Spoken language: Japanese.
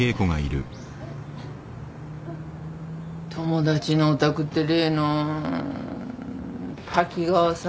友達のお宅って例の滝川さん？